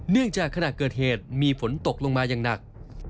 เนื่องจากขณะเกิดเหตุมีฝนตกลงมาอย่างหนัก